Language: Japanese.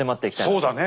そうだね。